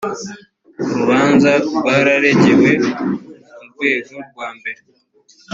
urubanza rwararegewe mu rwego rwa mbere